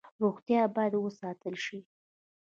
روغتیا باید وساتل شي